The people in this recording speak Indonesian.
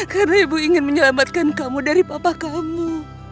karena ibu ingin menyelamatkan kamu dari papa kamu